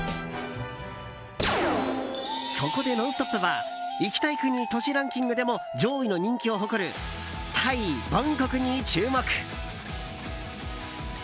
そこで「ノンストップ！」は行きたい国・都市ランキングでも上位の人気を誇るタイ・バンコクに注目。